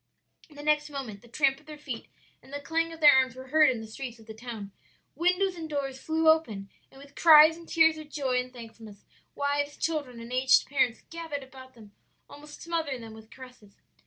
"The next moment the tramp of their feet and the clang of their arms were heard in the streets of the town. Windows and doors flew open and with cries and tears of joy and thankfulness, wives, children, and aged parents gathered about them almost smothering them with caresses.